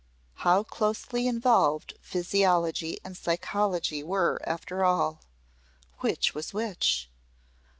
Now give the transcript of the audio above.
How closely involved physiology and psychology were after all! Which was which?